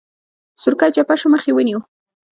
سورکی چپه شو مخ يې ونيو.